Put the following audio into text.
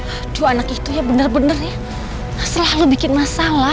aduh anak itu ya bener bener selalu bikin masalah